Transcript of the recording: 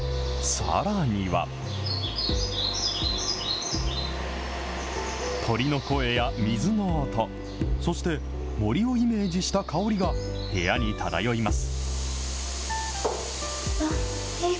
さらには鳥の声や水の音、そして、森をイメージした香りが部屋に漂います。